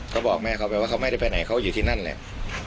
ก็บอกแม่เขาไปว่าเขาไม่ได้ไปไหนเขาอยู่ที่นั่นแหละ